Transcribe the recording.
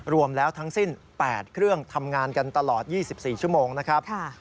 รวมแล้วทั้งสิ้น๘เครื่องทำงานกันตลอด๒๔ชั่วโมงนะครับ